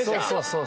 そう。